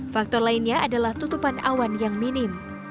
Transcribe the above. faktor lainnya adalah tutupan awan yang minim